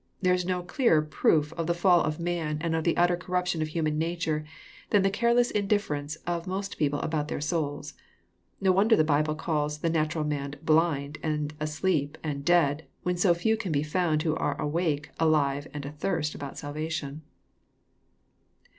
There is no clearer proof of the fall of man, and the utter corruption of human nature, than the careless indifference of most people about their souls. No wonder the Bible callg the natural man "blind," and " asleep," and " dead," when so few can be found who are awake, alive, and athirst about salvation.